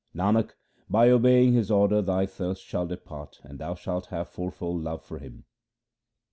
Nanak, by obeying His order thy thirst shall depart, and thou shalt have fourfold love for Him.